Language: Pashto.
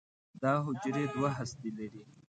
دا حجرې دوه هستې لري.